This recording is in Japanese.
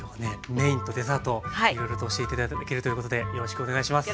メインとデザートいろいろと教えて頂けるということでよろしくお願いします。